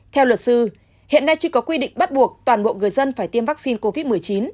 theo luật sư hiện nay chưa có quy định bắt buộc toàn bộ người dân phải tiêm vaccine covid một mươi chín